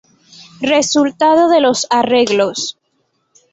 Resultado de los arreglos